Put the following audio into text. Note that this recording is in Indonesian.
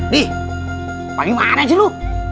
nih bagaimana sih lu